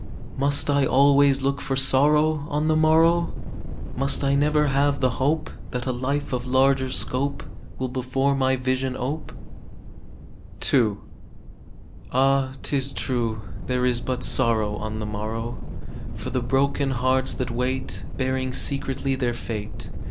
Must I always look for sorrow On the morrow? Must I never have the hope That a life of larger scope Will before my vision ope? II. Ah, 'tis true there is but sorrow On the morrow For the broken hearts that wait, Bearing secretly their fate.